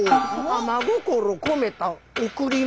「真心込めた贈り物よ」